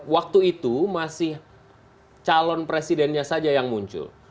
waktu itu masih calon presidennya saja yang muncul